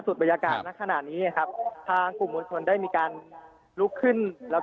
บรรยากาศในขณะนี้ครับทางกลุ่มมวลชนได้มีการลุกขึ้นแล้ว